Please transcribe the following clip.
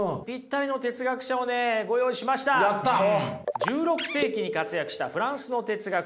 １６世紀に活躍したフランスの哲学者